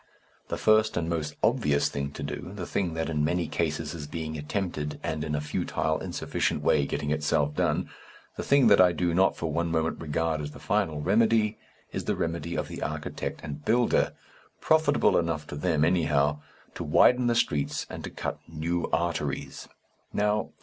The first and most obvious thing to do, the thing that in many cases is being attempted and in a futile, insufficient way getting itself done, the thing that I do not for one moment regard as the final remedy, is the remedy of the architect and builder profitable enough to them, anyhow to widen the streets and to cut "new arteries."